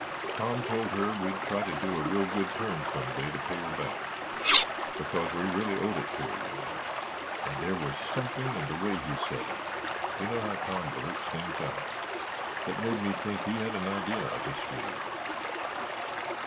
Tom told her we'd try to do a real good turn some day to pay her back, because we really owed it to her, you know, and there was something in the way he said it—you know how Tom blurts things out—that made me think he had an idea up his sleeve.